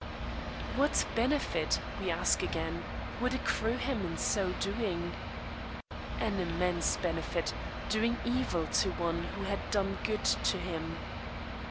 What benefit, we ask again, would accrue to him in so doing? An immense benefit doing evil to one who had done good to him.